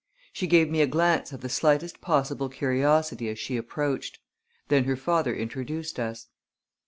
She gave me a glance of the slightest possible curiosity as she approached. Then her father introduced us.